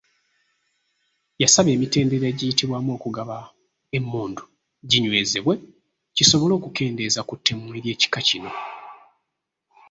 Yasaba emitendera egiyitibwamu okugaba emmundu ginywezebwe kisobole okukendeeza ku ttemu ery’ekika kino.